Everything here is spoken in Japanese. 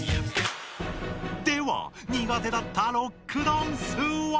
では苦手だったロックダンスは？